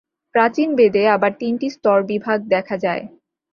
প্রাচীন-বেদে আবার তিনটি স্তরবিভাগ দেখা যায়।